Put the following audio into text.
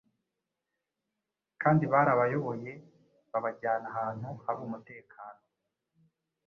kandi barabayoboye babajyana ahantu hari umutekano.